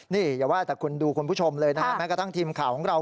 นี่อย่าว่าแต่คุณดูคุณผู้ชมเลยนะฮะแม้กระทั่งทีมข่าวของเรา